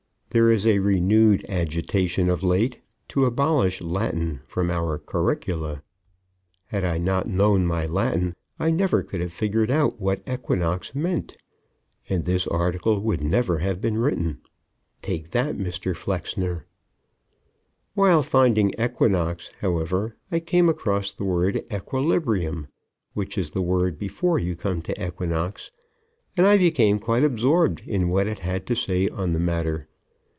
There is a renewed agitation of late to abolish Latin from our curricula. Had I not known my Latin I never could have figured out what "equinox" meant, and this article would never have been written. Take that, Mr. Flexner! While finding "equinox," however, I came across the word "equilibrium," which is the word before you come to "equinox," and I became quite absorbed in what it had to say on the matter.